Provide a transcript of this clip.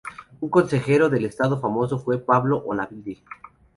Un consejero de Estado famoso fue Pablo de Olavide.